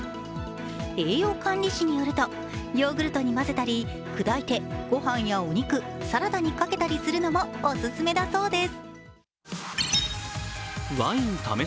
栄養管理士によると、ヨーグルトにまぜたり砕いてご飯やお肉、サラダにかけたりするのもオススメだそうです。